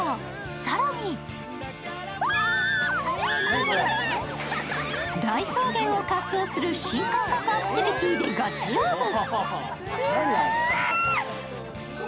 更に大草原を滑走する新感覚アクティビティでガチ勝負。